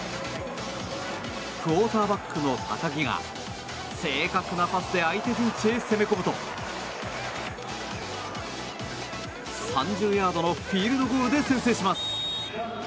クオーターバックの高木が正確なパスで相手陣地へ攻め込むと３０ヤードのフィールドゴールで先制します。